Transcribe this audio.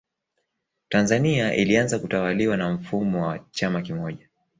Tanzania ilianza kutawaliwa na mfumo wa chama kimoja